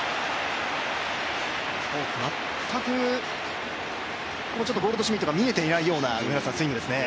全くゴールドシュミットが見えていないようなスイングですね。